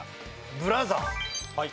ブラザー。